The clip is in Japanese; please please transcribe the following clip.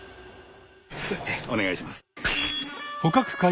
お願いします。